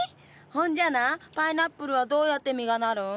ほんじゃなあパイナップルはどうやって実がなるん？